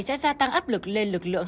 sẽ gia tăng áp lực lên lực lượng